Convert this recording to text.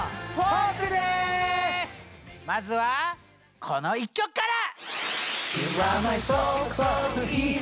まずはこの一曲から！